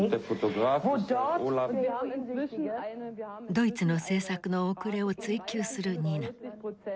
ドイツの政策の遅れを追及するニナ。